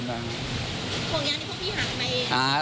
ห่วงยางที่พวกพี่หายไปเอง